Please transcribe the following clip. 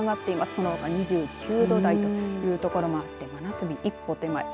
そのほか、２９度台という所もあって、真夏日一歩手前。